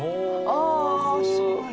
あすごい！